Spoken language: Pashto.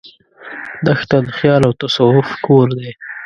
دښته د خیال او تصوف کور دی.